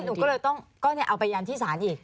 อันนี้หนูก็เลยต้องเอาไปยันที่สารอีก